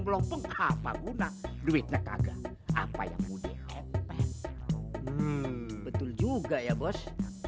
belom pengkapa guna duitnya kagak apa yang mudah betul juga ya bos